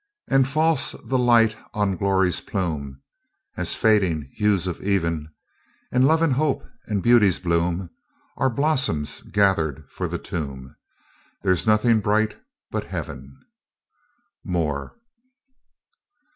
And false the light on glory's plume, As fading hues of even, And Love and Hope, and Beauty's bloom, Are blossoms gathered for the tomb, There's nothing bright but Heaven. Moore.